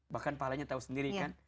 bahkan pahalanya tahu sendiri kan